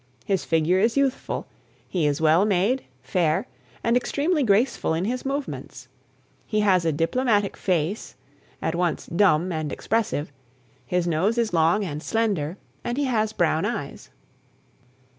His figure is youthful; he is well made, fair, and extremely graceful in his movements. He has a diplomatic face, at once dumb and expressive; his nose is long and slender, and he has brown eyes.